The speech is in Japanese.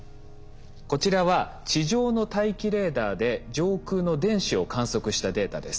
こちらは地上の大気レーダーで上空の電子を観測したデータです。